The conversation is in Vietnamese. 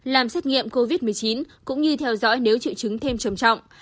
làm xét nghiệm covid một mươi chín cũng như theo dõi nếu triệu chứng thêm trầm trọng